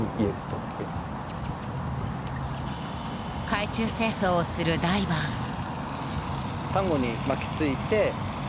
海中清掃をするダイバーも。